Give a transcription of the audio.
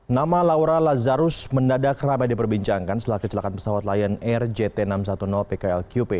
nama laura lazarus mendadak ramai diperbincangkan setelah kecelakaan pesawat lion air jt enam ratus sepuluh pklqp